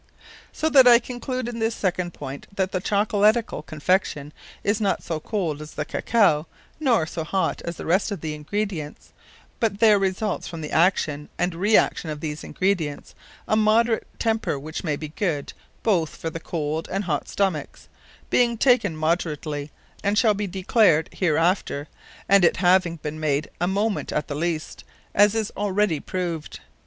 So that I conclude in this second point, that the Chocolaticall Confection is not so cold as the Cacao, nor so hot as the rest of the Ingredients; but there results from the action and re action of these Ingredients, a moderate temper which may be good, both for the cold and hot stomacks, being taken moderately, as shall be declared hereafter; and it having beene made a moneth at the least; as is already proved.